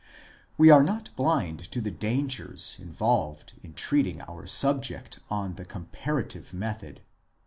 We are not blind to the dangers involved in treating our subject on the comparative method.